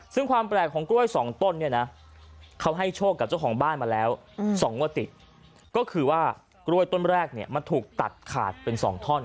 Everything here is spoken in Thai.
ซึ่งความแปลกของกล้วย๒ต้นเนี่ยนะเขาให้โชคกับเจ้าของบ้านมาแล้ว๒งวดติดก็คือว่ากล้วยต้นแรกเนี่ยมันถูกตัดขาดเป็น๒ท่อน